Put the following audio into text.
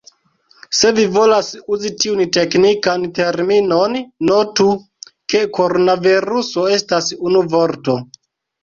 Se vi volas uzi tiun teknikan terminon, notu, ke koronaviruso estas unu vorto.